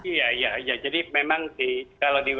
iya jadi memang kalau di who